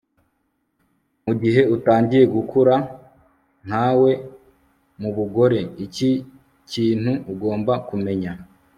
mugihe utangiye gukura kwawe mubugore, iki kintu ugomba kumenya